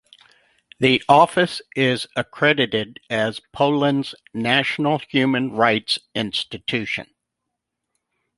The office is accredited as Poland's national human rights institution.